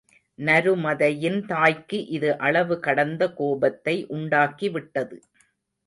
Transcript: நருமதையின் தாய்க்கு இது அளவு கடந்த கோபத்தை உண்டாக்கிவிட்டது.